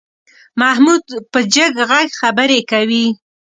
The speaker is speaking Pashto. محمود په جګ غږ خبرې کوي.